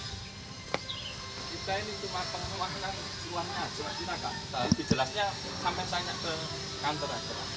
lebih jelasnya sampai saya ke kantor